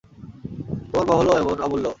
তোমার মহলও এমন, অমূল্য।